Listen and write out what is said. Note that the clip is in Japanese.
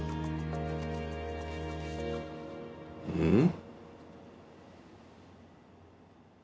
うん？